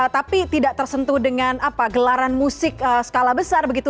tapi tidak tersentuh dengan gelaran musik skala besar begitu